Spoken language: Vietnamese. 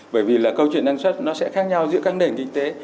bởi vì là câu chuyện năng suất nó sẽ khác nhau giữa các nền kinh tế